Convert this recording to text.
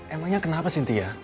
emangnya kenapa sintia